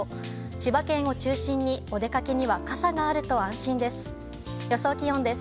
千葉県を中心に、お出かけには傘があると安心です。